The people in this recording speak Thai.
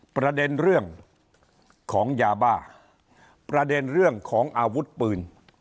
ประเด็นเรื่องของยาบ้าประเด็นเรื่องของอาวุธปืน